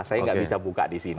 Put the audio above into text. saya nggak bisa buka di sini